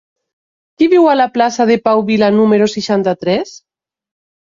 Qui viu a la plaça de Pau Vila número seixanta-tres?